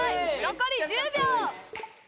残り１０秒！